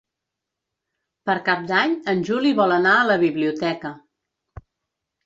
Per Cap d'Any en Juli vol anar a la biblioteca.